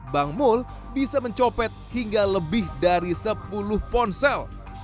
bang mul bisa mencopet hingga lebih dari sepuluh ponsel